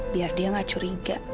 biar dia nggak curiga